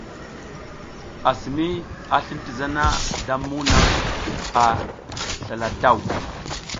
Assimi a slin ti zana da mumuŋ naŋ a slala daw.